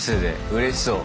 うれしそう。